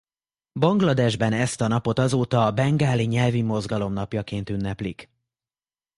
Bangladesben ezt a napot azóta a bengáli nyelvi mozgalom napjaként ünneplik.